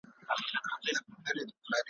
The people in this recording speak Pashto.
خو له بده مرغه `